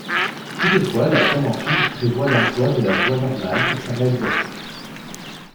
Toutefois, la convention prévoit l'emploi de la voie normale pour sa réalisation.